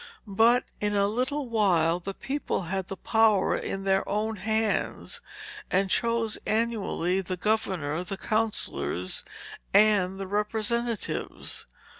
But, in a little while, the people had the whole power in their own hands, and chose annually the governor, the counsellors, and the representatives.